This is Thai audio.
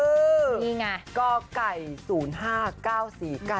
นี่ไงก็ไก่๐๕๙๔กาลสินจ้า